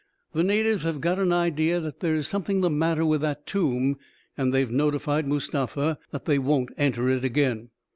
" The natives have got an idea that there is some thing the matter with that tomb, and they have noti fied Mustafa that they won't enter it again."